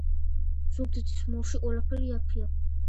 ზუგდიდის მოლში ყველაფერი იაფია